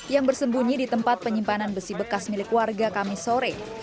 yang bersembunyi di tempat penyimpanan besi bekas milik warga kamisore